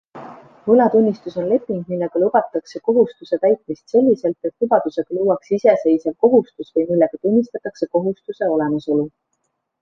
Võlatunnistus on leping, millega lubatakse kohustuse täitmist selliselt, et lubadusega luuakse iseseisev kohustus või millega tunnistatakse kohustuse olemasolu.